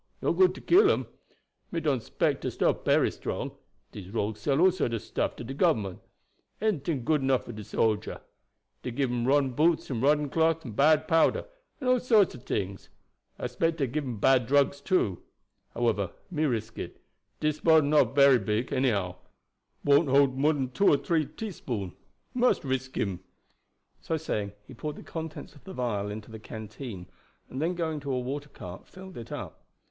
"No good to kill dem. Me don't 'spect de stuff bery strong. Dese rogues sell all sorts of stuff to de government. Anyting good enough for de soldier. Dey gib him rotten boots, and rotten cloth, and bad powder, and all sorts of tings. I spect dey gib him bad drugs too. However, me must risk it. Dis bottle not bery big, anyhow won't hold more dan two or three teaspoon. Must risk him." So saying he poured the contents of the vial into the canteen, and then going to a water cart filled it up.